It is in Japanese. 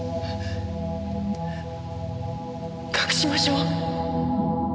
隠しましょう。